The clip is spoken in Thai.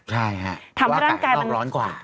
ใช่ค่ะเพราะว่ากล้องร้อนกว่า